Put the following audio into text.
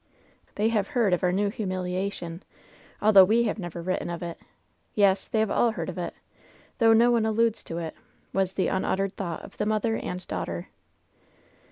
"They have heard of our new humiliation, although we have never written of it ! Yes, they have all heard of it, though no one alludes to it," was the unuttered thought of mother and daughter.